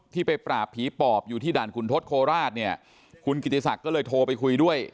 ไปปราบผีปอบอยู่ที่ด่านขุนทศโคราชเนี่ยคุณกิติศักดิ์ก็เลยโทรไปคุยด้วย